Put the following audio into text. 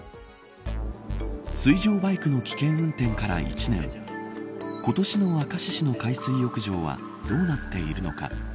水上バイクの危険運転から１年今年の明石市の海水浴場はどうなっているのか。